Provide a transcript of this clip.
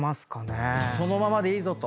そのままでいいぞと。